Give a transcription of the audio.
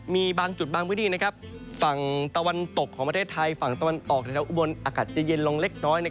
มีภรรณาตะวันตกของประเทศไทยอากาศจะแยินลงเล็กน้อย